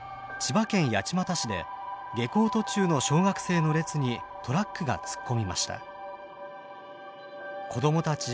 千葉県八街市で下校途中の小学生の列にトラックが突っ込みました。